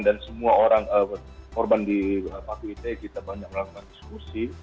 dan semua orang korban di paku ite kita banyak melakukan diskusi